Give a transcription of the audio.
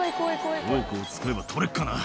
「フォークを使えば取れっかな？」